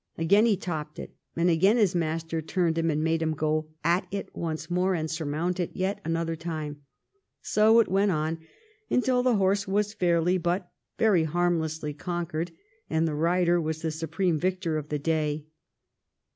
Again he topped it, and again his master turned him and made him go at it once more, and surmount it yet another time. So it went on until the horse was fairly but very harmlessly conquered, and the rider was the supreme victor of the day.